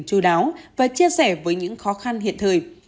chú đáo và chia sẻ với những khó khăn hiện thời